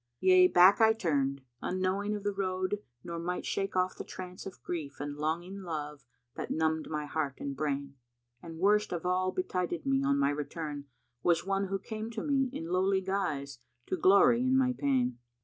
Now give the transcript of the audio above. Yea, back I turned, unknowing of the road nor might shake off The trance of grief and longing love that numbed my heart and brain; And worst of all betided me, on my return, was one Who came to me, in lowly guise, to glory in my pain.